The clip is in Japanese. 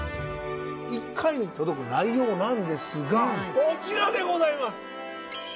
１回に届く内容なんですがこちらでございます。